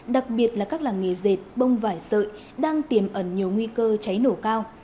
đặc biệt là các làng nghề dệt bông vải sợi đang tiềm ẩn nhiều nguy cơ cháy nổ cao